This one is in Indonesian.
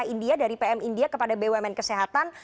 india dari pm india kepada bumn kesehatan